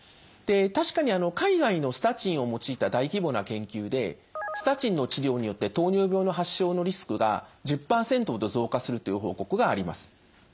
確かに海外のスタチンを用いた大規模な研究でスタチンの治療によって糖尿病の発症のリスクが１０％ほど増加するという報告があります。